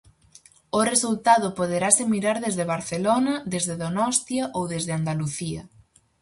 O resultado poderase mirar desde Barcelona, desde Donostia ou desde Andalucía.